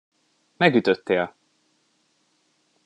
Megütöttél!